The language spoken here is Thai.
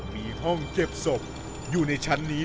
มีห้องเก็บศพอยู่ในชั้นนี้